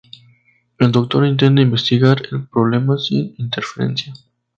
El Doctor intenta investigar el problema sin interferencia.